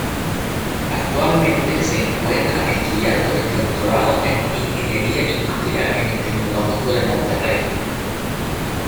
Actualmente se encuentra estudiando el Doctorado en Ingeniería Industrial en el Tecnológico de Monterrey.